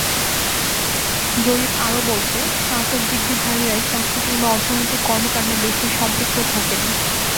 জরিপ আরও বলছে, স্নাতক ডিগ্রিধারীরাই চাকরি কিংবা অর্থনৈতিক কর্মকাণ্ডে বেশি সম্পৃক্ত থাকেন।